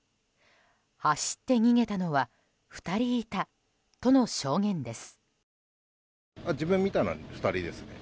走って逃げたのは２人いたとの証言です。